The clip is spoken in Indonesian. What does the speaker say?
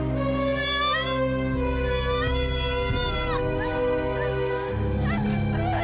mari ulang tudungnya